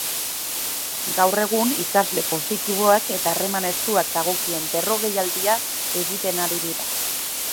Gaur egun, ikasle positiboak eta harreman estuak dagokien berrogeialdia egiten ari dira.